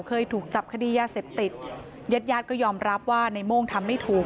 เคยถูกจับคดียาเสพติดญาติญาติก็ยอมรับว่าในโม่งทำไม่ถูก